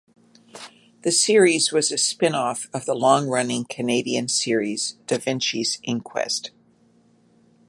The series was a spin-off of the long-running Canadian series "Da Vinci's Inquest".